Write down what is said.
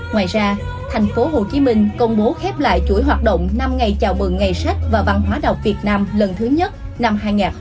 ngoài ra tp hcm công bố khép lại chuỗi hoạt động năm ngày chào mừng ngày sách và văn hóa đọc việt nam lần thứ nhất năm hai nghìn hai mươi bốn